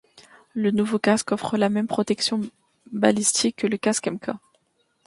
Le nouveau casque offre la même protection balistique que le casque Mk.